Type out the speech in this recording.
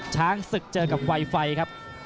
ช้างศึกเจอกับไวไฟครับ